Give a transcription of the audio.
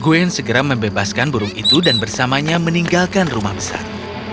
gwen segera membebaskan burung itu dan bersamanya meninggalkan rumah besar